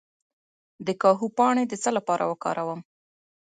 د کاهو پاڼې د څه لپاره وکاروم؟